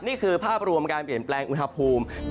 นี่คือภาพรวมการเปลี่ยนแปลงอุณหภูมิ